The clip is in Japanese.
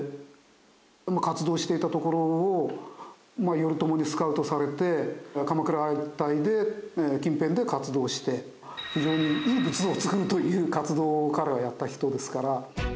頼朝にスカウトされて鎌倉一帯で近辺で活動して非常にいい仏像を作るという活動を彼はやった人ですから。